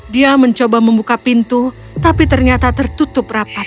dia mencoba membuka pintu tapi ternyata tertutup rapat